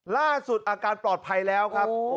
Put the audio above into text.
ล่าสุดอาการปลอดภัยแล้วครับ